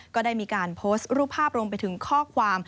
ก็ได้มีการโพสต์รูปภาพรวมไปถึงข้อความ